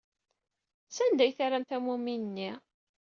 Sanda ay terram tammumin-nni?